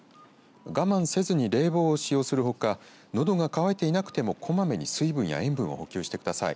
我慢せずに冷房を使用するほかのどが渇いていなくてもこまめに水分や塩分を補給してください。